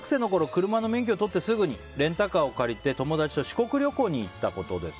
車の免許を取ってすぐにレンタカーを借りて友達と四国旅行に行った時のことです。